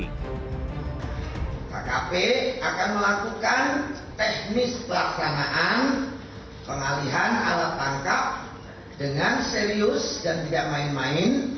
kkp akan melakukan teknis pelaksanaan pengalihan alat tangkap dengan serius dan tidak main main